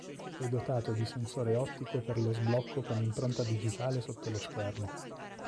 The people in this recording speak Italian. È dotato di sensore ottico per lo sblocco con impronta digitale sotto lo schermo.